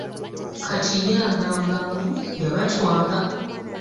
Kati ye agamba mbu y'abatwala.